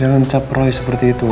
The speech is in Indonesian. jangan cap roy seperti itu ya